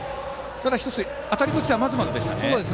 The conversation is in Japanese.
ただ当たりとしてはまずまずでしたね。